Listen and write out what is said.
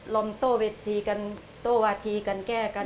รำโตเวทีก็รำโตวัธีก็แก้กัน